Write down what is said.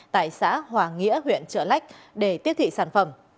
tại xã hòa nghĩa huyện trợ lách để tiếp thị sản phẩm